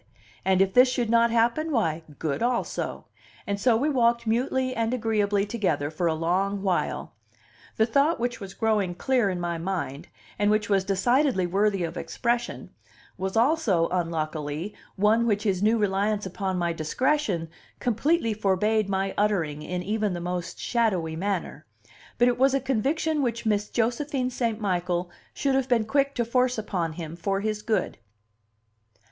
and if this should not happen, why, good also! And so we walked mutely and agreeably together for a long while. The thought which was growing clear in my mind, and which was decidedly worthy of expression, was also unluckily one which his new reliance upon my discretion completely forbade my uttering in even the most shadowy manner; but it was a conviction which Miss Josephine St. Michael should have been quick to force upon him for his good.